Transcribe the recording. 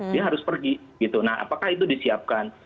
dia harus pergi apakah itu disiapkan